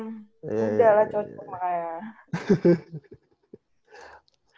gila lah cowoknya kemarin